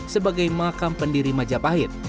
sebagai makam pendiri majapahit